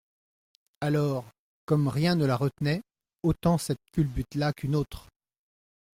Alors, comme rien ne la retenait, autant cette culbute-là qu'une autre.